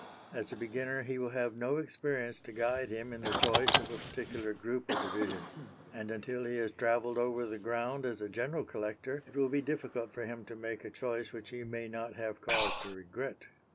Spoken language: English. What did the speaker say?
As a beginner he will have no experience to guide him in the choice of a particular group or division; and until he has travelled over the ground as a general collector it will be difficult for him to make a choice which he may not have cause to regret.